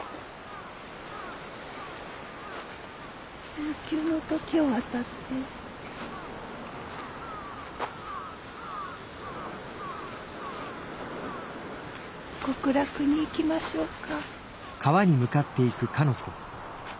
悠久の時を渡って極楽に行きましょうか。